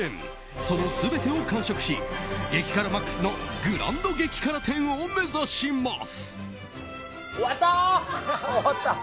その全てを完食し激辛マックスのグランド激辛店を目指します。